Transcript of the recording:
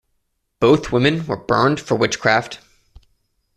Both women were burned for witchcraft.